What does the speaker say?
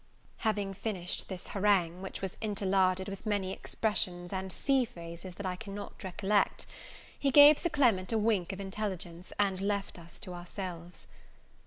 Having finished this harangue, which was interlarded with many expressions, and sea phrases, that I cannot recollect, he gave Sir Clement a wink of intelligence, and left us to ourselves.